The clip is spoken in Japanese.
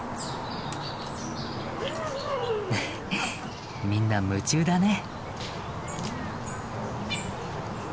フフッみんな夢中だね。